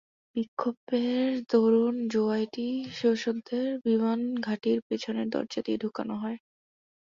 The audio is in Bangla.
বিক্ষোভের দরুন জেআইটি সদস্যদের বিমান ঘাঁটির পেছনের দরজা দিয়ে ঢোকানো হয়।